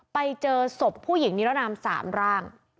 ไปเจอศพผู้หญิงนิรนาม๓ร่าง